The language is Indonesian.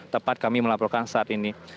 tempat kami melaporkan saat ini